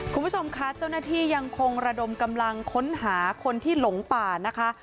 คุณผู้ชมคะเจ้าหน้าที่ยังคงระดมกำลังค้นหาคนที่หลงป่านะคะ